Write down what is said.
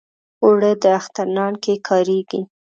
اوړه د اختر نان کې کارېږي